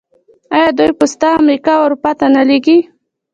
آیا دوی پسته امریکا او اروپا ته نه لیږي؟